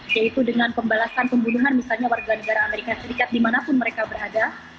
yaitu dengan pembalasan pembunuhan misalnya warga negara amerika serikat dimanapun mereka berada